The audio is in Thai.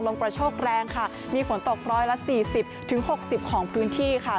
กระโชคแรงค่ะมีฝนตกร้อยละ๔๐๖๐ของพื้นที่ค่ะ